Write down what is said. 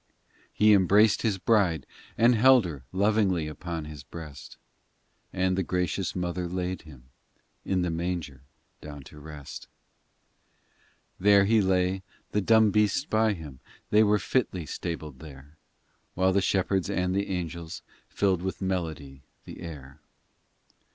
ii He embraced His bride, and held her Lovingly upon His breast, And the gracious Mother laid Him In the manger down to rest. POEMS 289 in There He lay, the dumb beasts by Him, They were fitly stabled there, While the shepherds and the angels Filled with melody *the air.